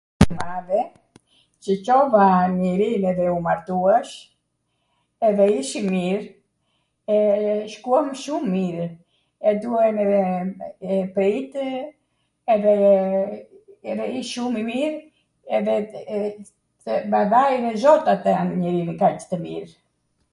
madhe, qw Cova njerinw edhe u martuash edhe ish i mir, e shkuam shum mir, e duajn edhe plejtw edhe ish shum i mir edhe ma dha Inwzot atw njeri kaq tw mir